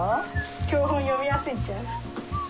教本読みやすいんちゃう。